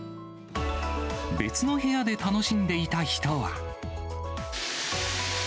別の部屋で楽しんでいた人は。